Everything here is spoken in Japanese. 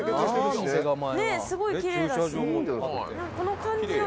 この感じの。